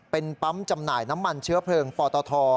เป็นปั๊มจำหน่ายน้ำมันเชื้อเพลิงปตท